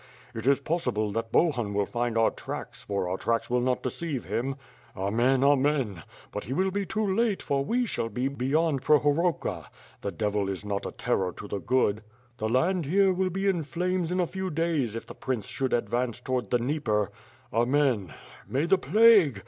... It is pos sible that Bohun will find our tracks, for our tracks will not deceive him. ... Amen! Amen! But he will be too late for we shall be beyond Prohorowka The devil is not a terror to the good the land here will be in flames in a few days if the prince should advance towards the Dnie per Amen May the plague